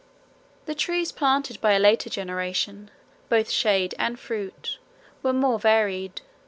The trees planted by a later generation, both shade and fruit, were more varied.